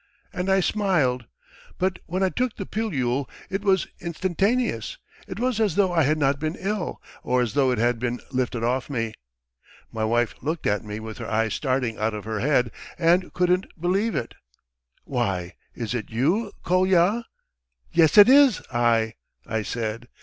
and I smiled; but when I took the pilule it was instantaneous! It was as though I had not been ill, or as though it had been lifted off me. My wife looked at me with her eyes starting out of her head and couldn't believe it. 'Why, is it you, Kolya?' 'Yes, it is I,' I said.